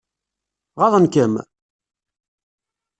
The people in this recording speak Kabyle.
Ɣaḍen-kem?